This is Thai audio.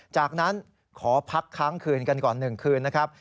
จากนั้นขอพักค้างคืนกันก่อน๑คืนนะครับ